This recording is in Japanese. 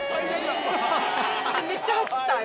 めっちゃ走ったよ